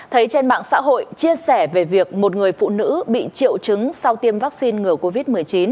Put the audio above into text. thấy trên mạng xã hội chia sẻ về việc một người phụ nữ bị triệu chứng sau tiêm vaccine ngừa covid một mươi chín